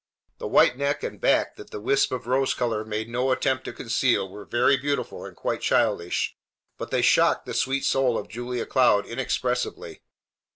The white neck and back that the wisp of rose color made no attempt to conceal were very beautiful and quite childish, but they shocked the sweet soul of Julia Cloud inexpressibly.